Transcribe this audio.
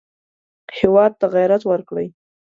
هېواد ته غیرت ورکړئ